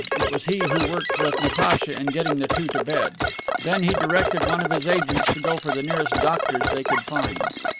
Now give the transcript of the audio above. It was he who worked with Natacha in getting the two to bed. Then he directed one of his agents to go for the nearest doctors they could find.